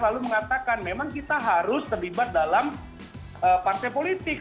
lalu mengatakan memang kita harus terlibat dalam partai politik